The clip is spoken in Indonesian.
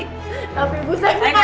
tapi bu saya bukan maling yaa